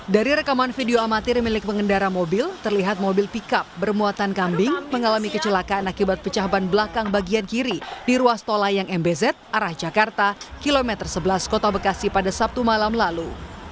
dari rekaman video amatir milik pengendara mobil terlihat mobil pickup bermuatan kambing mengalami kecelakaan akibat pecah ban belakang bagian kiri di ruas tol layang mbz arah jakarta kilometer sebelas kota bekasi pada sabtu malam lalu